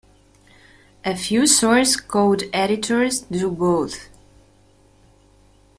A few source code editors do both.